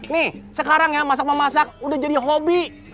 nih sekarang ya masak memasak udah jadi hobi